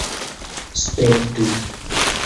spektu